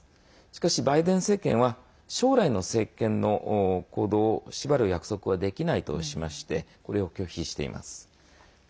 しかし、バイデン政権は将来の政権の行動を縛る約束はできないとしましてこれを拒否しています。